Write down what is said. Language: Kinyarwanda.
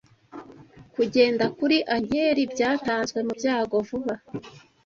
Kugenda kuri ankeri, byatanzwe mubyago, vuba